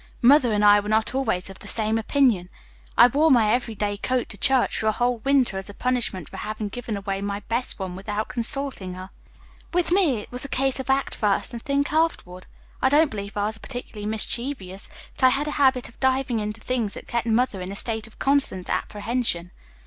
Mother and I were not always of the same opinion. I wore my everyday coat to church for a whole winter as a punishment for having given away my best one without consulting her. With me it was a case of act first and think afterward. I don't believe I was particularly mischievous, but I had a habit of diving into things that kept Mother in a state of constant apprehension.